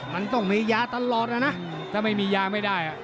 มันต้องมียาตลอดนะนะถ้าไม่มียาไม่ได้